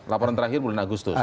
laporan terakhir bulan agustus